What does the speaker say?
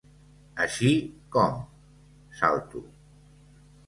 Així com? —salto.